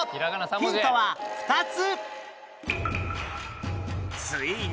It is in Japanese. ヒントは２つ